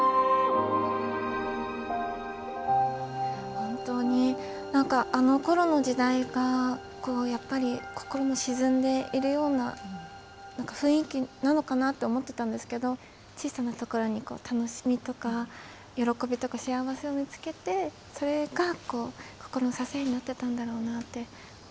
本当に何かあのころの時代がやっぱり心も沈んでいるような雰囲気なのかなって思ってたんですけど小さなところに楽しみとか喜びとか幸せを見つけてそれが心の支えになってたんだろうなって思いましたね。